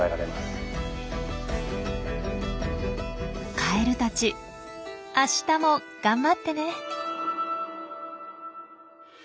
カエルたちあしたも頑張ってね。